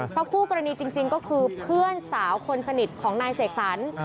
เพราะคู่กรณีจริงก็คือเพื่อนสาวคนสนิทของนายเสกสรร